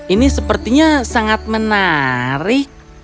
ini sepertinya sangat menarik